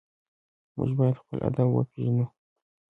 موږ باید خپل ادب وپېژنو.